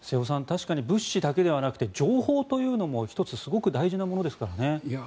確かに物資だけではなくて情報というのも１つすごく大事なものですからね。